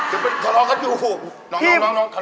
เฮ้ยพี่